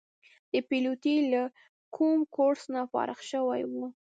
د پیلوټۍ له کوم کورس نه فارغ شوي وو.